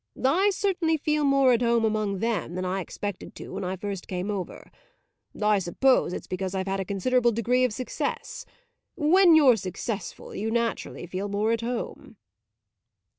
I certainly feel more at home among them than I expected to when I first came over; I suppose it's because I've had a considerable degree of success. When you're successful you naturally feel more at home."